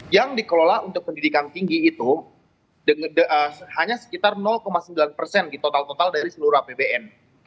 yang dikelola untuk pendidikan tinggi itu hanya sekitar sembilan persen di total total dari seluruh apbn